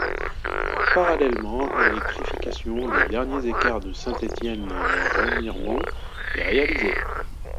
Parallèlement l’électrification des derniers écarts de Saint-Étienne-lès-Remiremont est réalisée.